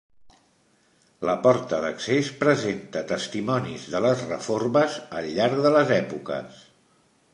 La porta d'accés presenta testimonis de les reformes al llarg de les èpoques.